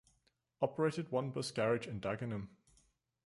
Operated one bus garage in Dagenham.